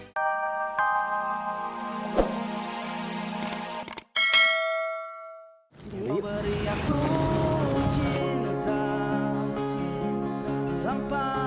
ketulusan yang tak terkalahkan